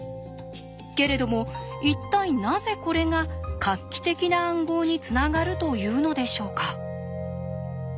けれども一体なぜこれが画期的な暗号につながるというのでしょうか。